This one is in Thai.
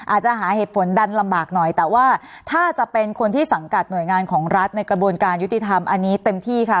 อาจจะหาเหตุผลดันลำบากหน่อยแต่ว่าถ้าจะเป็นคนที่สังกัดหน่วยงานของรัฐในกระบวนการยุติธรรมอันนี้เต็มที่ค่ะ